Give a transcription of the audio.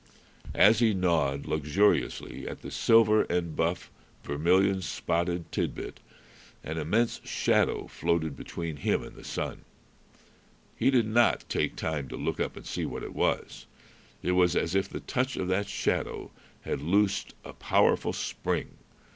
As he gnawed luxuriously at the silver and buff, vermilion spotted tit bit, an immense shadow floated between him and the sun. He did not take time to look up and see what it was. It was as if the touch of that shadow had loosed a powerful spring.